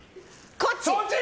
こっち！